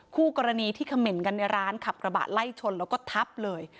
คู่กรณีที่เขม่นกันในร้านขับกระบะไล่ชนแล้วก็ทับเลย